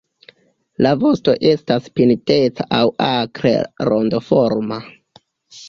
La vosto estas pinteca aŭ akre rondoforma.